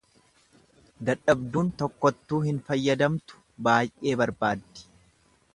Dadhabduun tokkottuu hin fayyadamtu baay'ee barbaaddi.